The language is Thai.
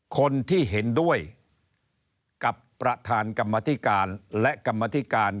คนที่เห็นด้วยกับประธานกรรมธิการและกรรมธิการ